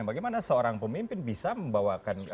bagaimana seorang pemimpin bisa membawakan